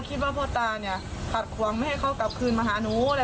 คิดว่าพ่อตาเนี้ยขาดความไม่ให้เขากลับคืนมาหาหนูอะไร